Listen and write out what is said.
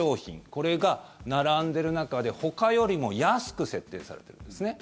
これが並んでいる中でほかよりも安く設定されていますね。